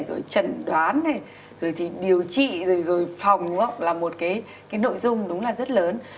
rồi trần đoán này rồi thì điều trị rồi phòng là một cái nội dung đúng là rất lớn